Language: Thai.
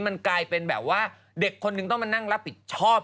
มันกลายเป็นแบบว่าเด็กคนนึงต้องมานั่งรับผิดชอบ